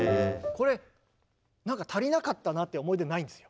これなんか足りなかったなっていう思い出ないんですよ。